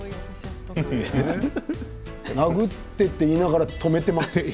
殴ってと言いながら止めていますよね。